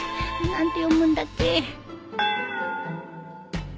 何て読むんだっけ